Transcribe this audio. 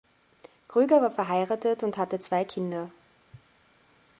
Gröger war verheiratet und hatte zwei Kinder.